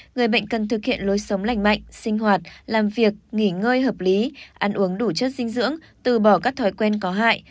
người bệnh cần thực hiện lối sống lành mạnh sinh hoạt làm việc nghỉ ngơi hợp lý ăn uống đủ chất dinh dưỡng từ bỏ các thói quen có hại